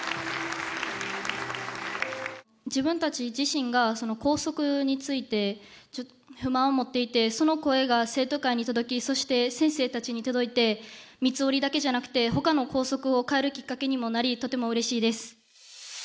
自分たち自身が校則について不満を持っていてその声が生徒会に届きそして先生たちに届いて三つ折りだけじゃなくてほかの校則を変えるきっかけにもなりとてもうれしいです。